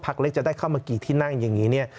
พักเล็กจะได้เข้ามากี่ที่นั่งอย่างนี้